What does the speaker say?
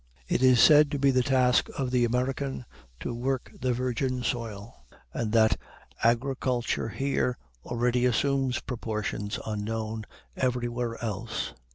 It is said to be the task of the American "to work the virgin soil," and that "agriculture here already assumes proportions unknown everywhere else."